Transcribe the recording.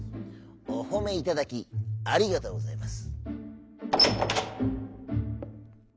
「おほめいただきありがとうございます」。